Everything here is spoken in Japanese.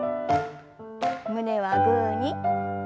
胸はグーに。